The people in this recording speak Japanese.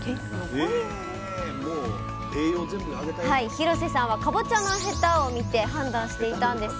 廣瀬さんはかぼちゃのへたを見て判断していたんです